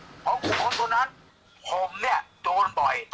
แม่ยังคงมั่นใจและก็มีความหวังในการทำงานของเจ้าหน้าที่ตำรวจค่ะ